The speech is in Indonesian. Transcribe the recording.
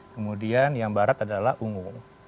kemudian yang barat adalah ungu